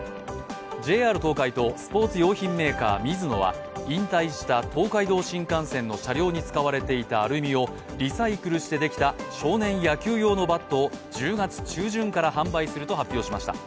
ＪＲ東海とスポーツ用品メーカー・ミズノは引退した東海道新幹線の車両に使われていたアルミをリサイクルしてできた少年野球用のバットを１０月中旬から発売すると発表しました。